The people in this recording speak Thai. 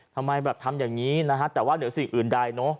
ทำไมทำอย่างนี้แต่ว่าเหลือสิ่งอื่นได้